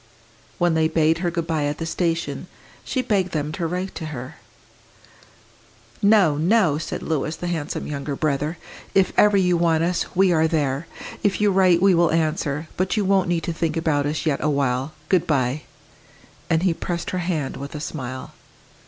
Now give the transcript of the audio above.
When they bade her good bye at the station, she begged them to write to her. "No, no!" said Louis, the handsome younger brother. "If ever you want us, we are there. If you write, we will answer. But you won't need to think about us yet awhile. Good bye!" And he pressed her hand with a smile.